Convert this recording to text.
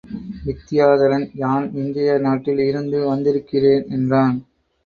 வித்தியாதரன் யான் விஞ்சையர் நாட்டில் இருந்து வந்திருக்கிறேன் என்றான்.